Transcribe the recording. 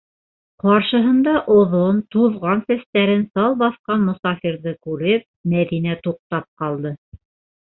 Ҡаршыһында оҙон, туҙған сәстәрен сал баҫҡан мосафирҙы күреп, Мәҙинә туҡтап ҡалды.